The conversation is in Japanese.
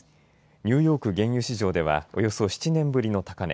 ニューヨーク原油市場ではおよそ７年ぶりの高値。